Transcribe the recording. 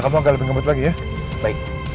sampai jumpa di video selanjutnya